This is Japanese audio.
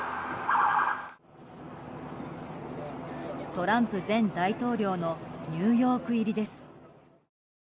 トランプ前大統領のニューヨーク入りです。